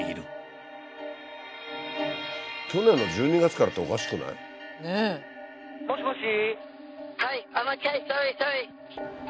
去年の１２月からっておかしくない？ねえ。もしもし。